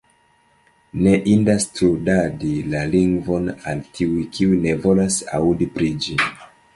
Ne indas trudadi la lingvon al tiuj, kiuj ne volas aŭdi pri ĝi.